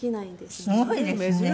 すごいですね。